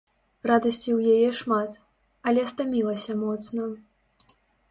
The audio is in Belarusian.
Радасці ў яе шмат, але стамілася моцна.